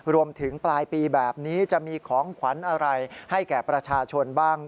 รวมถึงปลายปีแบบนี้จะมีของขวัญอะไรให้แก่ประชาชนบ้าง